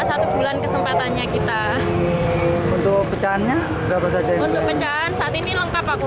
satu bulan kesempatannya kita untuk pecahannya berapa saja untuk pecahan saat ini lengkap aku